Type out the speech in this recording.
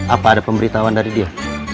apa ada pemberitahuan dari dia